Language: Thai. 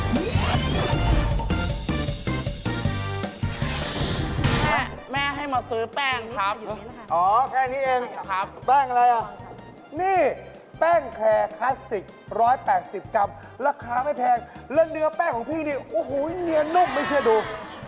แม่ให้มาซื้อแป้งครับอ๋อแค่นี้เองแป้งอะไรอ่ะนี่แป้งแคร์คลาสสิก๑๘๐กรัมราคาไม่แพงและเนื้อแป้งของพี่นี่โอ้โหเนียนนุ่มไม่เชื่อดู